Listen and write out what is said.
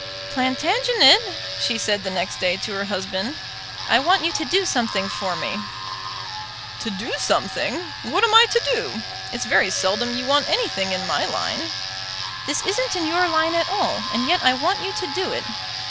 "Plantagenet," she said the next day to her husband, "I want you to do something for me." "To do something! What am I to do? It's very seldom you want anything in my line." "This isn't in your line at all, and yet I want you to do it."